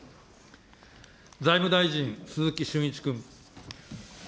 財務大臣、鈴木俊一君。